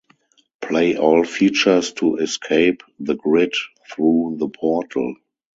Play all features to escape the Grid through the Portal.